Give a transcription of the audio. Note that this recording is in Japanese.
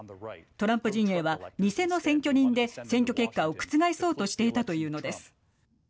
トランプ陣営は偽の選挙人で選挙結果を覆そうとしていたというのです。